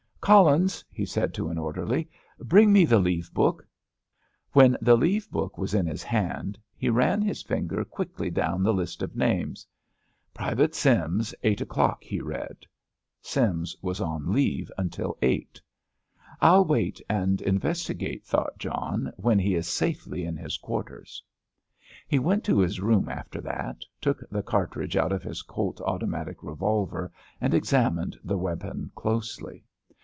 "Collins," he said to an orderly, "bring me the leave book." When the leave book was in his hand he ran his finger quickly down the list of names. "Pte. Sims, eight o'clock," he read. Sims was on leave until eight. "I'll wait and investigate," thought John, "when he is safely in his quarters." He went to his room after that, took the cartridges out of his Colt automatic revolver and examined the weapon closely.